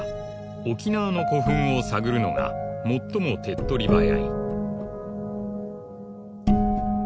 「沖縄の古墳を探るのが最も手っ取り早い」